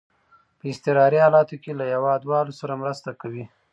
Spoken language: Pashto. په اضطراري حالاتو کې له هیوادوالو سره مرسته کوي.